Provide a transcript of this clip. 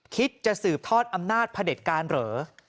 คิดจะสืบทอดอำนาจพระเด็จการเหรอ